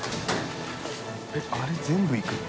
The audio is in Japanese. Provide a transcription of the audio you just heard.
えっあれ全部いくの？